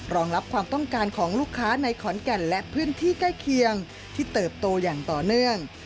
รองรับความต้องการของลูกค้าในขอนแก่นและพื้นที่ใกล้เคียงที่เติบโตอย่างต่อเนื่อง